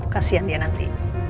kasian dia nanti